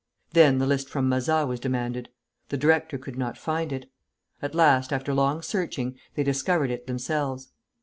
Then the list from Mazas was demanded. The director could not find it. At last, after long searching, they discovered it themselves.